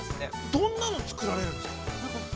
◆どんなのを作られるんですか。